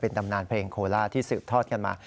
ตำนานเพลงโคล่าที่สืบทอดกันมา